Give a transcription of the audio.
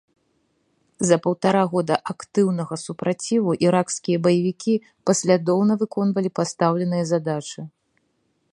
За паўтара года актыўнага супраціву іракскія баевікі паслядоўна выконвалі пастаўленыя задачы.